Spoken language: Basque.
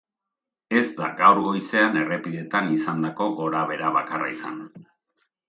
Ez da gaur goizean errepideetan izandako gorabehera bakarra izan.